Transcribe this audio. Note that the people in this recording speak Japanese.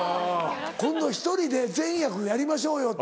「今度１人で全役やりましょうよ」って。